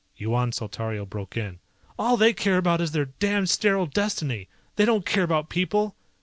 Yuan Saltario broke in. "All they care about is their damned sterile destiny! They don't care about people.